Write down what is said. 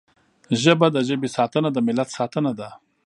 ژبه د ژبې ساتنه د ملت ساتنه ده